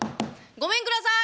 「ごめんください。